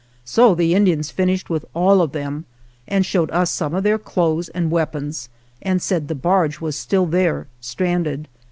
So the Indians finished with all of them, and showed us some of their clothes and weapons and said the barge was still there stranded.